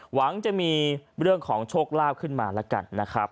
หวังจะมีเรื่องของโชคลาภขึ้นมาแล้วกันนะครับ